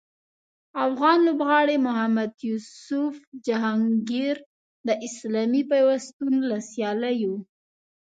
افغان لوبغاړي محمد یوسف جهانګیر د اسلامي پیوستون له سیالیو